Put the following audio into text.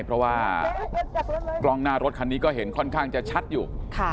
เพราะว่ากล้องหน้ารถคันนี้ก็เห็นค่อนข้างจะชัดอยู่